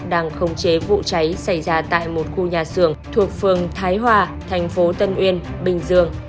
đang khống chế vụ cháy xảy ra tại một khu nhà xưởng thuộc phường thái hòa thành phố tân uyên bình dương